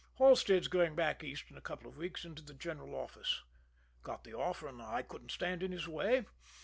Halstead's going back East in a couple of weeks into the general office got the offer, and I couldn't stand in his way.